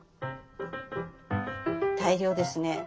大量ですね。